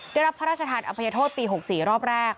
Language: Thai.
ได้รับพระราชทานอภัยโทษปี๖๔รอบแรก